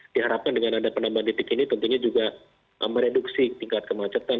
diharapkan dengan ada penambahan titik ini tentunya juga mereduksi tingkat kemacetan